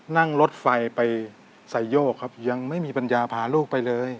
นั่งรถไฟไปไซโยกครับยังไม่มีปัญญาพาลูกไปเลย